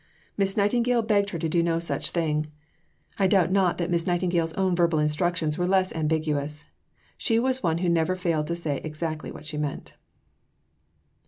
Miss Nightingale begged her to do no such thing. I doubt not that Miss Nightingale's own verbal instructions were less ambiguous. She was one who never failed to say exactly what she meant.